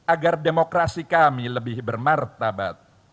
agar demokrasi kami lebih bermartabat